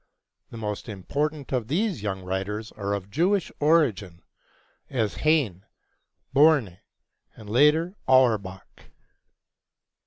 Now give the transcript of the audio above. The most important of these young writers are of Jewish origin, as Heine, Börne, and later, Auerbach.